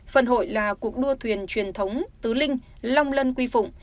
phần hội là cuộc đua thuyền truyền thống tứ linh long lân quy phụng